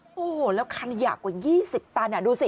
โอ้โหแล้วคันหยากกว่า๒๐ตันดูสิ